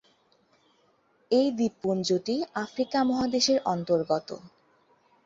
এই দ্বীপপুঞ্জটি আফ্রিকা মহাদেশ এর অন্তর্গত।